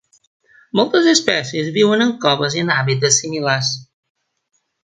Moltes espècies viuen en coves i en hàbitats similars.